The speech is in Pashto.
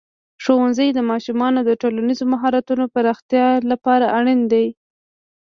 ښوونځی د ماشومانو د ټولنیزو مهارتونو پراختیا لپاره اړین دی.